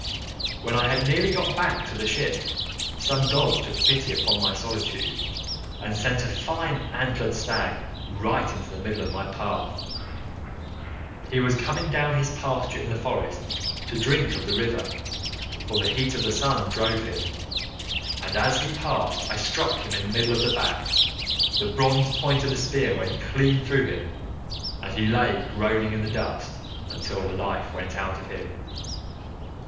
"When I had nearly got back to the ship some god took pity upon my solitude, and sent a fine antlered stag right into the middle of my path. He was coming down his pasture in the forest to drink of the river, for the heat of the sun drove him, and as he passed I struck him in the middle of the back; the bronze point of the spear went clean through him, and he lay groaning in the dust until the life went out of him.